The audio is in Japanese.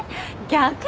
逆。